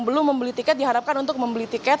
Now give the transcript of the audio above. belum membeli tiket diharapkan untuk membeli tiket